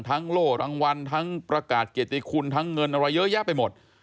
โล่รางวัลทั้งประกาศเกียรติคุณทั้งเงินอะไรเยอะแยะไปหมด